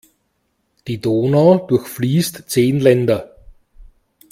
Die Donau durchfließt zehn Länder.